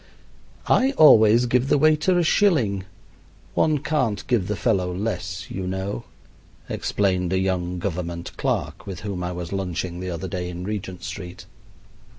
"I always give the waiter a shilling. One can't give the fellow less, you know," explained a young government clerk with whom I was lunching the other day in Regent Street.